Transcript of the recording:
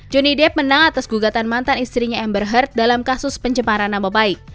johnny depp menang atas gugatan mantan istrinya amber heard dalam kasus pencemaran nama baik